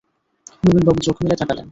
নবীন বাবু চোখ মেলে তাকালেন।